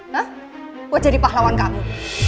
buat jadi pahlawan kamu